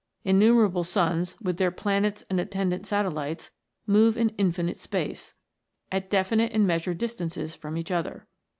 In numerable suns, with their planets and attendant satellites, move in infinite space, at definite and measured distances from each other.